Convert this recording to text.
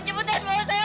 cepetan bawa saya